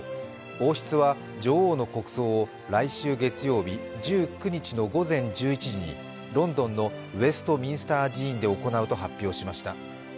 王室は、女王の国葬を来週月曜日１９日の午前１１時にロンドンのウェストミンスター寺院で行うと発表しました。